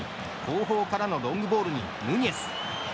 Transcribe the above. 後方からのロングボールにヌニェス。